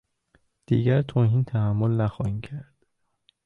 دیگر توهین تحمل نخواهیم کرد!